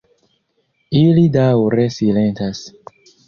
Ili daŭre silentas.